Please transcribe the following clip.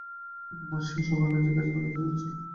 কিন্তু মা সেই সব এনার্জি কাজে লাগাতে চাইছিল।